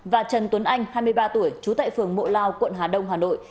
và trần tuấn anh hai mươi ba tuổi trú tại phường mộ lao quận hà đông hà nội